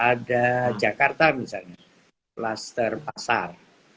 ada jakarta misalnya kluster pasar